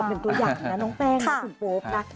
น้องแป้งน้องสุนโป๊ปนะ